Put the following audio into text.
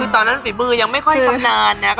ตอนนั้นฝีมือยังไม่ค่อยชำนาญนะ